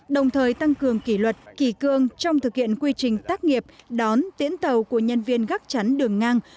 đồng thời tăng cường kỷ luật kỳ cương trong thực hiện quy trình tác nghiệp đón tiễn tàu của nhân viên gắt chắn đường ngang